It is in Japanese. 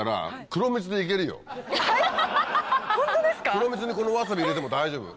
黒蜜にこのわさび入れても大丈夫。